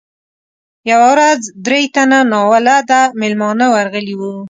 یوه ورځ درې تنه ناولده میلمانه ورغلي وو.